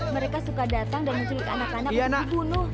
mereka suka datang dan menculik anak anak untuk dibunuh